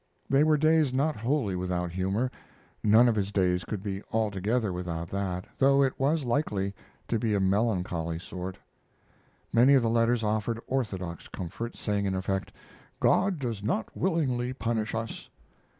They were days not wholly without humor none of his days could be altogether without that, though it was likely to be of a melancholy sort. Many of the letters offered orthodox comfort, saying, in effect: "God does not willingly punish us."